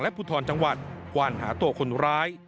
ภูทรจังหวัดกวานหาตัวคนร้าย